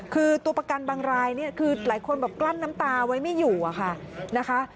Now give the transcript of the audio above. คือตัวประกันบางรายเนี่ยคือหลายคนแบบกลั้นน้ำตาไว้ไม่อยู่อะค่ะนะคะ